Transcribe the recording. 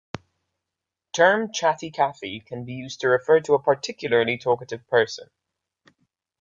Term "Chatty Cathy" can be used to refer to a particularly talkative person.